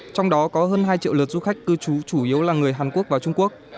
trong đó có hơn hai triệu lượt du khách cư trú chủ yếu là người hàn quốc và trung quốc